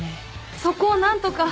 そこを何とか！